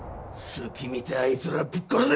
隙見てあいつらぶっ殺せ！